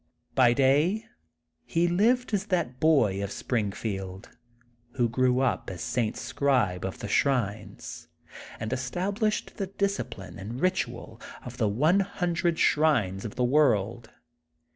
By day he lived as that boy of Spring field who grew up as Saint Scribe of the Shrines, and established the discipline and ritnal of The One Hundred Shrines of the World.